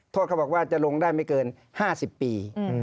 เขาบอกว่าจะลงได้ไม่เกิน๕๐ปี